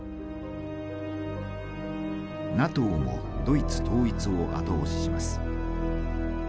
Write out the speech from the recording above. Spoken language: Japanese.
ＮＡＴＯもドイツ統一を後押しします。